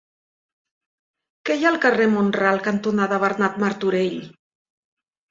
Què hi ha al carrer Mont-ral cantonada Bernat Martorell?